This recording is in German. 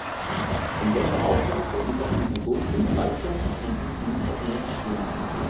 Ein solcher Ausweis soll jedoch den Personenfluss erleichtern und diesen nicht noch mehr erschweren.